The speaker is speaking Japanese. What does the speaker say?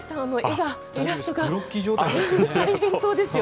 グロッキー状態ですね。